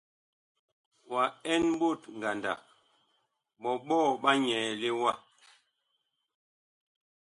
Wa ɛn ɓot ngandag, ɓɔɓɔɔ ɓa nyɛɛle wa ?